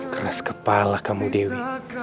keras kepala kamu dewi